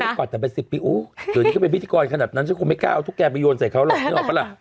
ก่อนแต่เป็น๑๐ปีอู้เดี๋ยวนี้ก็เป็นพิธีกรขนาดนั้นฉันคงไม่กล้าเอาตุ๊กแกไปโยนใส่เขาหรอกนึกออกปะล่ะ